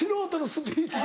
スピーチで。